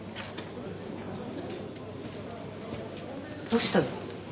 どうしたの？